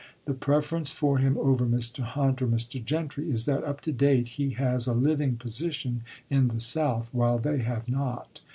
The preference for him over Mr. Hunt or Mr. Gentry is that, up to date, he has a living position in the South, while they have not.